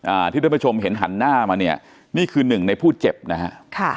อ่าที่ท่านผู้ชมเห็นหันหน้ามาเนี่ยนี่คือหนึ่งในผู้เจ็บนะฮะค่ะ